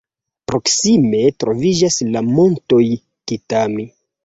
Proksime troviĝas la Montoj Kitami.